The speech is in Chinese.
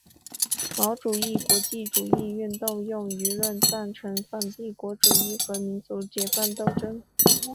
毛主义国际主义运动用舆论赞成反帝国主义和民族解放斗争。